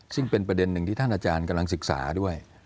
ซึ่งเป็นประเด็นหนึ่งที่ท่านอาจารย์กำลังศึกษาด้วย